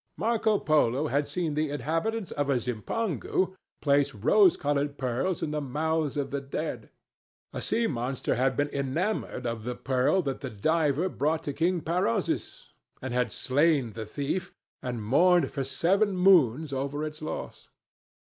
Marco Polo had seen the inhabitants of Zipangu place rose coloured pearls in the mouths of the dead. A sea monster had been enamoured of the pearl that the diver brought to King Perozes, and had slain the thief, and mourned for seven moons over its loss.